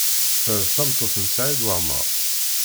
Ta d tameṭṭut n Saɛid Waɛmaṛ?